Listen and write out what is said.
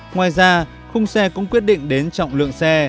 ngoài ra khung xe cũng quyết định đến trọng lượng xe